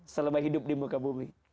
selama hidup di muka bumi